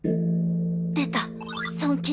出た！